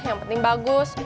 yang penting bagus